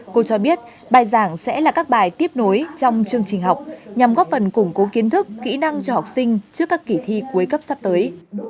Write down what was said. cô cho biết bài giảng sẽ là các bài tiếp nối trong chương trình học nhằm góp phần củng cố kiến thức kỹ năng cho học sinh trước các kỳ thi cuối cấp sắp tới